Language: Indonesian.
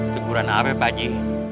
teguran apa pak ji